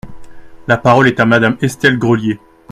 La parole est à Madame Estelle Grelier.